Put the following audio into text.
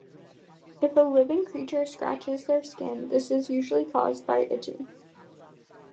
If a living creature scratches their skin, this is usually caused by itching.